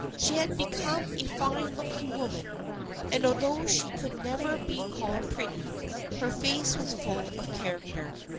She had become a fine looking woman, and although she could never be called pretty, her face was full of character.